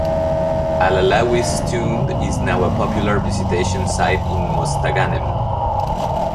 Al-Alawi's tomb is now a popular visitation sight in Mostaganem.